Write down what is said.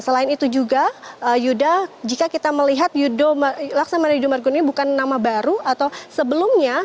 selain itu juga yuda jika kita melihat laksamana yudo margono ini bukan nama baru atau sebelumnya